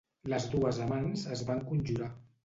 Les dues amants es van conjurar.